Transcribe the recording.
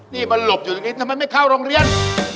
นี่มันหลบอยู่ตรงนี้ทำไมไม่เข้าโรงเรียน